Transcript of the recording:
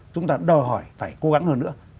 chúng ta đòi hỏi phải cố gắng hơn nữa